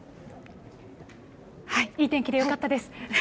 いい天気でよかったです。